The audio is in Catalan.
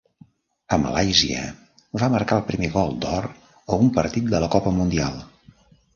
A Malàisia va marcar el primer Gol d'Or a un partit de la Copa Mundial.